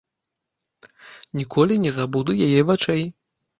Ніколі не забуду яе вачэй.